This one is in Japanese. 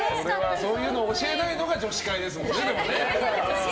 そういうの教えないのが女子会ですもんね。